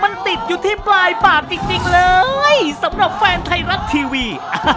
มันติดอยู่ที่ปลายปากจริงเลยสำหรับแฟนไทยรัฐทีวี